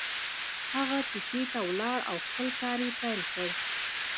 هغه کوڅې ته ولاړ او خپل کار يې پيل کړ.